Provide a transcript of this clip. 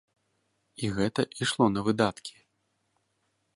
І гэта ішло на выдаткі.